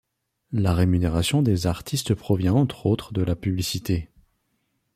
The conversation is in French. La rémunération des artistes provient entre autres de la publicité.